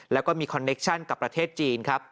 แล้วก็มีคอนเนคชั่นกับประเทศจีนครับ